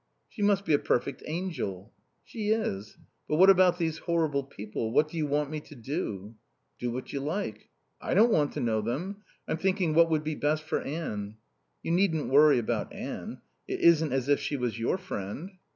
"She must be a perfect angel." "She is." "But about these horrible people what do you want me to do?" "Do what you like." "I don't want to know them. I'm thinking what would be best for Anne." "You needn't worry about Anne. It isn't as if she was your friend."